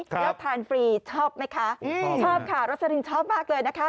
แล้วทานฟรีชอบไหมคะชอบค่ะรสลินชอบมากเลยนะคะ